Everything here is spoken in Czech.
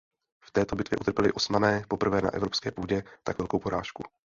V této bitvě utrpěli Osmané poprvé na evropské půdě tak velkou porážku.